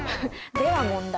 では問題。